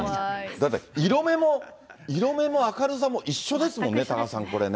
だって色目も、色めも明るさも一緒ですもんね、多賀さん、これね。